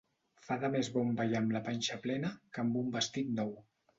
Fa de més bon ballar amb la panxa plena que amb un vestit nou.